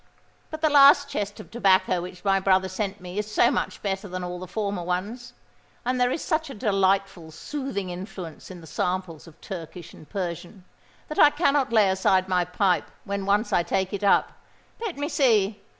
"But the last chest of tobacco which my brother sent me is so much better than all the former ones; and there is such a delightful soothing influence in the samples of Turkish and Persian, that I cannot lay aside my pipe when once I take it up. Let me see!